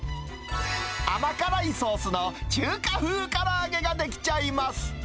甘辛いソースの中華風から揚げが出来ちゃいます。